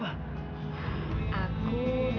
aku dan anak kita